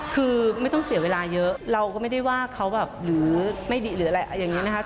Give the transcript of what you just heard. คือไม่ต้องเสียเวลาเยอะเราก็ไม่ได้ว่าเขาแบบหรือไม่ดีหรืออะไรอย่างนี้นะคะ